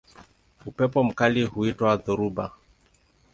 Upepo mkali huitwa dhoruba.